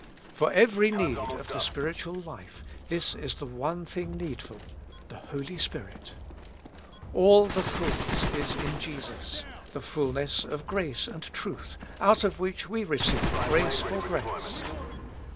For every need of the spiritual life this is the one thing needful : the Holy Spirit. All the fulness is in Jesus ; the fulness of grace and truth, out of which we receive grace for grace.